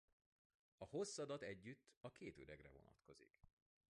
A hosszadat együtt a két üregre vonatkozik.